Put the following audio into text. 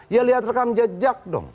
ya lihat rekam jejak dong